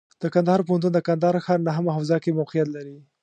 د کندهار پوهنتون د کندهار ښار نهمه حوزه کې موقعیت لري.